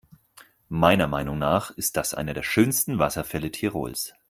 Meiner Meinung nach ist das einer der schönsten Wasserfälle Tirols.